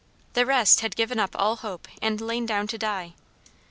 The rest had given up all hope and lain down to die.